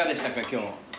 今日。